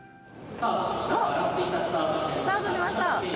おっ、スタートしました！